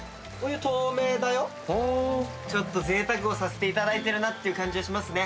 ちょっとぜいたくをさせていただいてる感じはしますね。